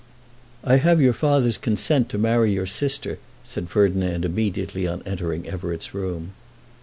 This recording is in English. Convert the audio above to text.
"I have your father's consent to marry your sister," said Ferdinand immediately on entering Everett's room.